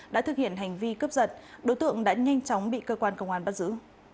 đã thực hiện hành vi cướp giật đối tượng đã nhanh chóng bị cơ quan công an bắt giữ